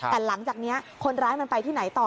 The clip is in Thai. แต่หลังจากนี้คนร้ายมันไปที่ไหนต่อ